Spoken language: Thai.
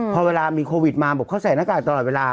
พอเวลามีโควิดมาเขาใส่นักครับตลอดเวลา